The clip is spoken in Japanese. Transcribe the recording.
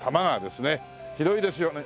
広いですよね。